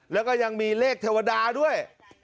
แล้วก็ยังมีเลขเทวดาด้วย